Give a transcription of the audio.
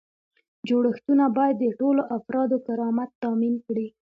جوړښتونه باید د ټولو افرادو کرامت تامین کړي.